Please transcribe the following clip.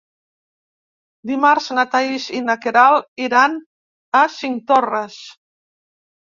Dimarts na Thaís i na Queralt iran a Cinctorres.